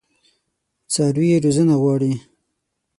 څاروي روزنه غواړي.